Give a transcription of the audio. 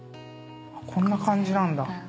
こんな感じなんだ。